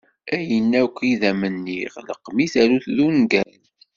Ayen akk i d am-nniɣ leqqem-it aru-t d ungal.